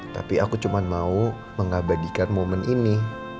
tapi aku cuma mau mengabadikan momen ini